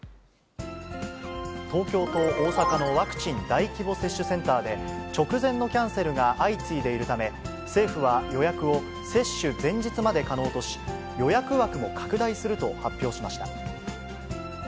東京と大阪のワクチン大規模接種センターで、直前のキャンセルが相次いでいるため、政府は、予約を接種前日まで可能とし、予約枠も拡大すると発表しました。